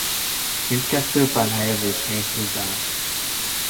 Mindkettőben helyezés nélkül zárt.